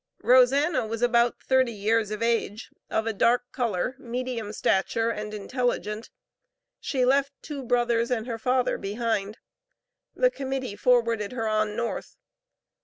Rosanna was about thirty years of age, of a dark color, medium stature, and intelligent. She left two brothers and her father behind. The Committee forwarded her on North.